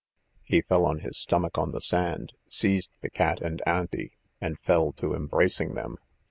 He fell on his stomach on the sand, seized the cat and Auntie, and fell to embracing them.